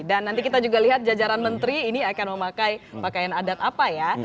dan nanti kita juga lihat jajaran menteri ini akan memakai pakaian adat apa ya